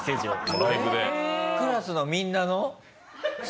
そうクラスのみんなの。